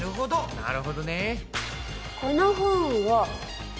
なるほどね。